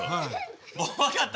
もうわかった。